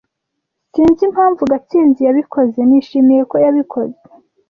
Sinzi impamvu Gatsinzi yabikoze. Nishimiye ko yabikoze.